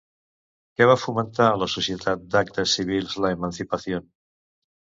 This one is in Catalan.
Què va fomentar la Societt d'Actes Civils La Emancipación?